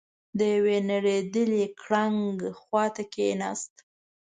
د يوې نړېدلې ګړنګ خواته کېناست.